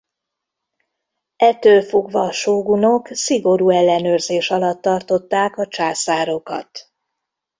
Ettől fogva a sógunok szigorú ellenőrzés alatt tartották a császárokat.